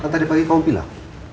kan tadi pagi kamu pilih lah